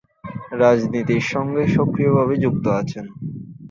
রাজনীতির সঙ্গে সক্রিয় ভাবে যুক্ত আছেন।